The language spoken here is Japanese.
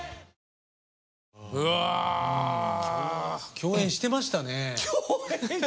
共演してました！